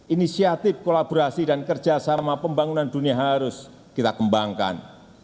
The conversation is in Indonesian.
inisiatif kolaborasi dan kerjasama pembangunan dunia harus kita kembangkan